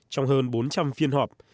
trong hơn bốn trăm linh phiên họp